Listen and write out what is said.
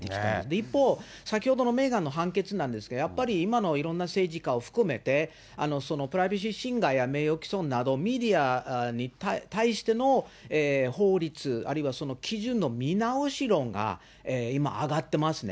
一方、先ほどのメーガンの判決なんですが、やっぱり今のいろんな政治家を含めて、プライバシー侵害や名誉毀損など、メディアに対しての法律、あるいは、その基準の見直し論が今、挙がってますね。